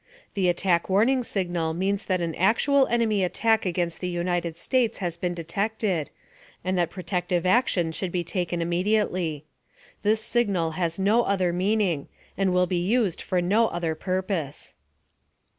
The Attack Warning Signal means that an actual enemy attack against the United States has been detected, and that protective action should be taken immediately. This signal has no other meaning, and will be used for no other purpose.